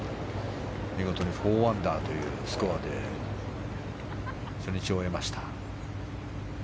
見事に４アンダーというスコアで初日を終えました。